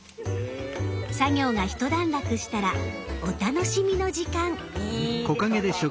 作業が一段落したらお楽しみの時間。